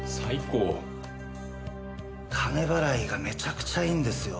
金払いがめちゃくちゃいいんですよ。